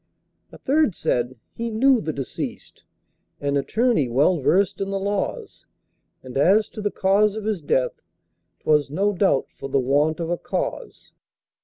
A third said, "He knew the deceased, An attorney well versed in the laws, And as to the cause of his death, 'Twas no doubt for the want of a cause."